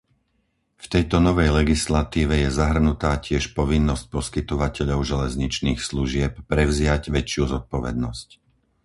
V tejto novej legislatíve je zahrnutá tiež povinnosť poskytovateľov železničných služieb prevziať väčšiu zodpovednosť.